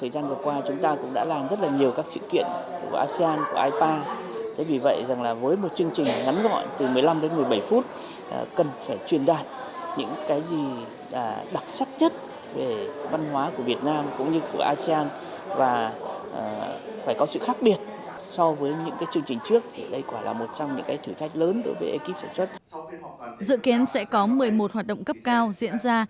dự kiến sẽ có một mươi một hoạt động cấp cao diễn ra